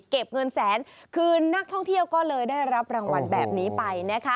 เงินแสนคืนนักท่องเที่ยวก็เลยได้รับรางวัลแบบนี้ไปนะคะ